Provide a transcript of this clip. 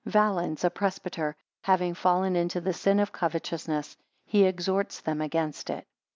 Valens, a presbyter, having fallen into the sin of covetousness, he exhorts them against it.